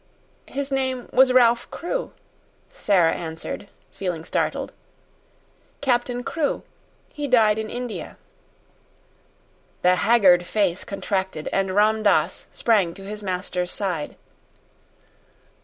"His name was Ralph Crewe," Sara answered, feeling startled. "Captain Crewe. He died in India." The haggard face contracted, and Ram Dass sprang to his master's side.